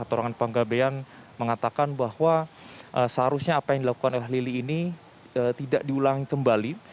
torangan panggabean mengatakan bahwa seharusnya apa yang dilakukan oleh lili ini tidak diulangi kembali